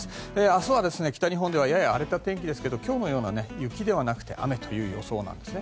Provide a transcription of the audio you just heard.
明日は北日本ではやや荒れた天気ですが今日のような雪ではなくて雨という予想です。